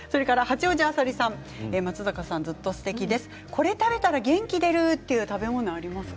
これを食べたら元気が出る食べ物ありますか。